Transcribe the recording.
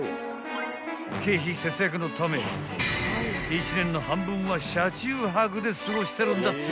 ［経費節約のため１年の半分は車中泊で過ごしてるんだってよ］